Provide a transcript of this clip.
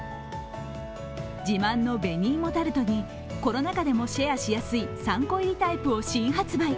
自慢の紅芋タルトにコロナ禍でもシェアしやすい３個入りタイプを新発売。